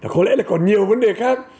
có lẽ là còn nhiều vấn đề khác